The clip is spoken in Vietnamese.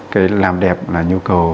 cái làm đẹp là nhu cầu